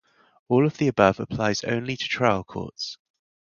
All of the above applies only to trial courts.